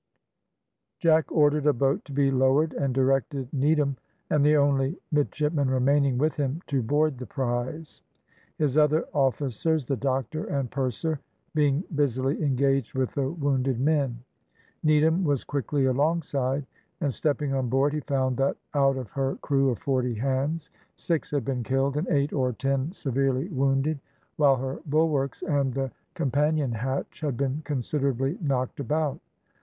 Jack ordered a boat to be lowered, and directed Needham and the only midshipman remaining with him to board the prize; his other officers, the doctor and purser, being busily engaged with the wounded men. Needham was quickly alongside, and stepping on board he found that out of her crew of forty hands, six had been killed and eight or ten severely wounded, while her bulwarks and the companion hatch had been considerably knocked about.